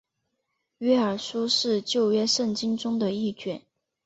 约珥书是旧约圣经中的一卷。